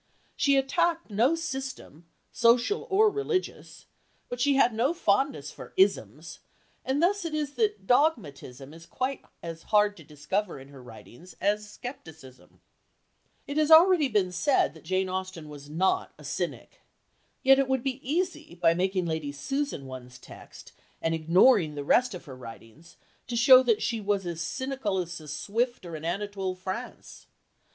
She attacked no system, social or religious; but she had no fondness for "isms," and thus it is that dogmatism is quite as hard to discover in her writings as scepticism. It has been said already that Jane Austen was not a cynic. Yet it would be easy, by making Lady Susan one's text, and ignoring the rest of her writings, to show that she was as cynical as a Swift or an Anatole France.